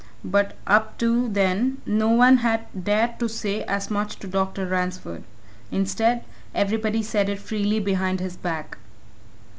But, up to then, no one had dared to say as much to Dr. Ransford instead, everybody said it freely behind his back.